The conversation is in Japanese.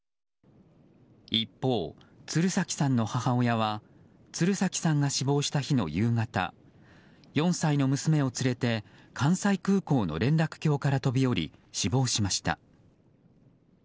一方、鶴崎さんの母親は鶴崎さんが死亡した日の夕方４歳の娘を連れ関西空港の連絡橋から飛び降り死亡しました。